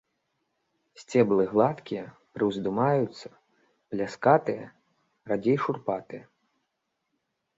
Сцеблы гладкія, прыўздымаюцца, пляскатыя, радзей шурпатыя.